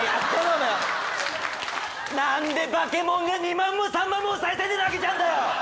なんでバケモンが２万も３万もおさい銭で投げちゃうんだよ！